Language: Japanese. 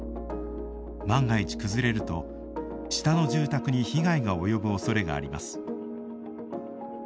万が一、崩れると下の住宅に被害が及ぶおそれがあります。